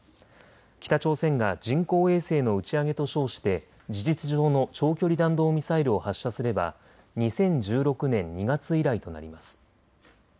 北朝鮮が人工衛星の打ち上げと称して事実上の長距離弾道ミサイルを発射すれば２０１６年２月以来となります。